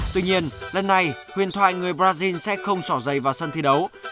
tuy nhiên lần này huyền thoại người brazil sẽ không sỏ dày vào sân thi đấu